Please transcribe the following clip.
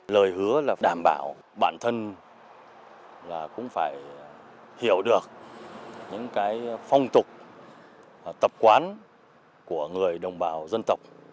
lời hứa là đảm bảo bản thân là cũng phải hiểu được những phong tục tập quán của người đồng bào dân tộc